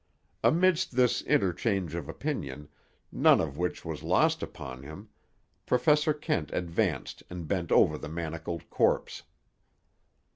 Amidst this interchange of opinion, none of which was lost upon him, Professor Kent advanced and bent over the manacled corpse.